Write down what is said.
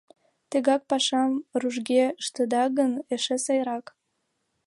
Тыгак пашам рӱжге ыштеда гын, эше сайрак.